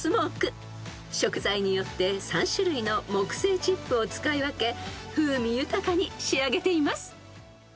［食材によって３種類の木製チップを使い分け風味豊かに仕上げています］